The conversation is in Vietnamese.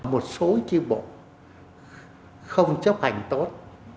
một số tri bộ không chấp hành tốt